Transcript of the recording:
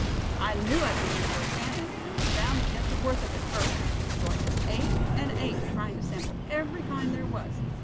I knew I'd be in for a tannin' and was bound to get the worth of it first, so I just ate and ate, tryin' to sample every kind there was.